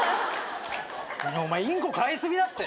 お前インコ飼いすぎだって！